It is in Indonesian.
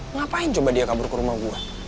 ngapain coba dia kabur ke rumah gue